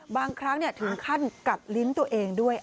บางครั้งถึงขั้นกัดลิ้นตัวเองด้วย